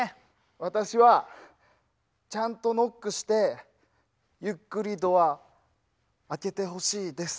私はちゃんとノックしてゆっくりドア開けてほしいです。